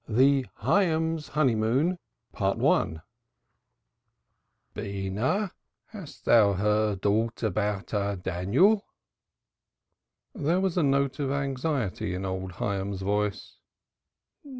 THE HYAMS'S HONEYMOON. "Beenah, hast thou heard aught about our Daniel?" There was a note of anxiety in old Hyams's voice.